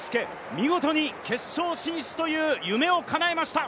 見事に決勝進出という夢をかなえました。